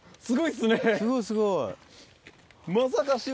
すごいすごい。